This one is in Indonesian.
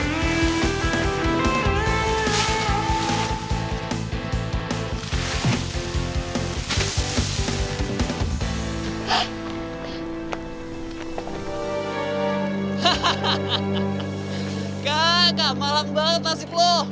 jangan sampai perlu breeze nanti